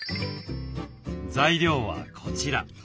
材料はこちら。